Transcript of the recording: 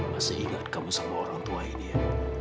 masih ingat kamu sama orang tua ini ya